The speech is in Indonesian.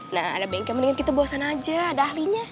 nah ada bengkel mendingan kita bosan aja ada ahlinya